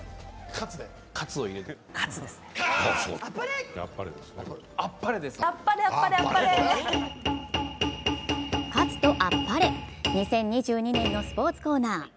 喝とあっぱれ、２０２２年のスポーツコーナー。